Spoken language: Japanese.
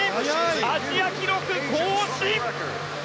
アジア記録更新！